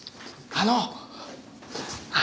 あの！